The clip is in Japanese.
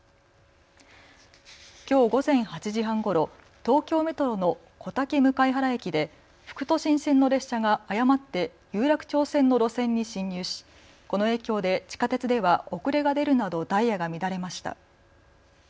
きょう午前８時半ごろ、東京メトロの小竹向原駅で副都心線の列車が誤って有楽町線の路線に進入しこの影響で地下鉄では遅れが出るなどダイヤが乱れました。